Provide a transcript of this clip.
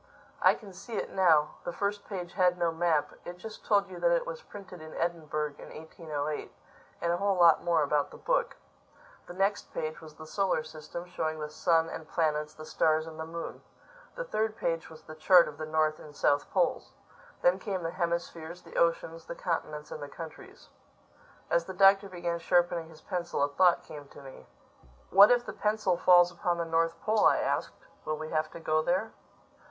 I can see it now: the first page had no map; it just told you that it was printed in Edinburgh in 1808, and a whole lot more about the book. The next page was the Solar System, showing the sun and planets, the stars and the moon. The third page was the chart of the North and South Poles. Then came the hemispheres, the oceans, the continents and the countries. As the Doctor began sharpening his pencil a thought came to me. "What if the pencil falls upon the North Pole," I asked, "will we have to go there?"